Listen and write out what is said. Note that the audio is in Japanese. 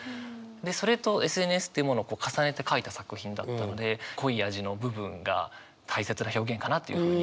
でそれとＳＮＳっていうものを重ねて書いた作品だったので濃い味の部分が大切な表現かなというふうに思ってますね。